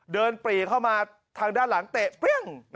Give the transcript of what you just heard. ปรีเข้ามาทางด้านหลังเตะเปรี้ยง